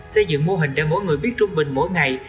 xây dựng mô hình để mỗi người biết trung bình mỗi ngày